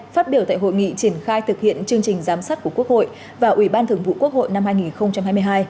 phát biểu tại hội nghị triển khai thực hiện chương trình giám sát của quốc hội và ủy ban thường vụ quốc hội năm hai nghìn hai mươi hai